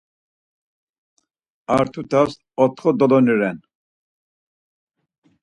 Ar tutas otxo doloni ren..